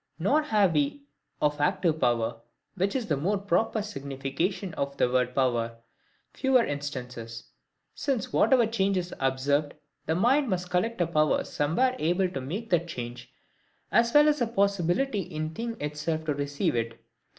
Nor have we of ACTIVE power (which is the more proper signification of the word power) fewer instances. Since whatever change is observed, the mind must collect a power somewhere able to make that change, as well as a possibility in the thing itself to receive it.